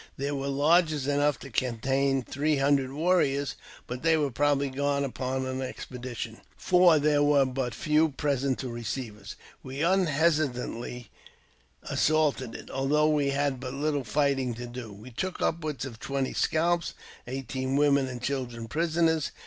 There were lodges enough to con tain three hundred warriors, but they were probably gone upon an expedition, for there were but few present to receive us. We unhesitatingly assaulted it, although we had but little fighting to do. We took upward of twenty scalps, and eighteen women and children prisoners.